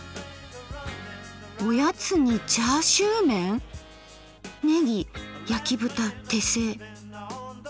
おやつに「チャーシューメン」⁉「ねぎやき豚手製」。